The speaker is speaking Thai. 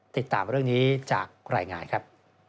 ติดตามเรื่องนี้จากรายงานครับ